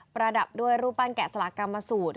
ระดับด้วยรูปปั้นแกะสลากรรมสูตร